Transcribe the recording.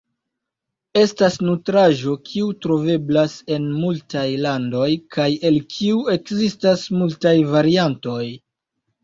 Estas nutraĵo kiu troveblas en multaj landoj, kaj el kiu ekzistas multaj variantoj.